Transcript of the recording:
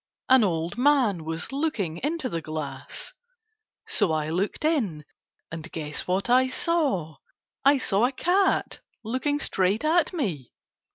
An old man was looking into the glass, so I looked in, and guess what I saw. I saw a cat looking straight at me.